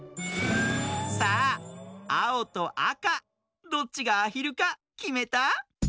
さああおとあかどっちがアヒルかきめた？